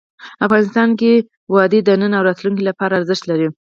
افغانستان کې وادي د نن او راتلونکي لپاره ارزښت لري.